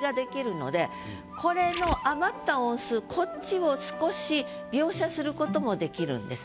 ができるのでこれの余った音数こっちを少し描写することもできるんです。